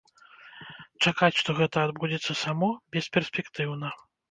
Чакаць, што гэта адбудзецца само, бесперспектыўна.